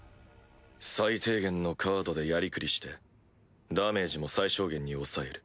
最低限のカードでやりくりしてダメージも最小限に抑える。